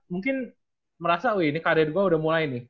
mungkin merasa wih ini karya juga udah mulai nih